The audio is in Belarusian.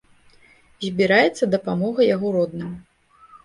Збіраецца дапамога яго родным.